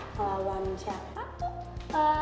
ngelawan siapa tuh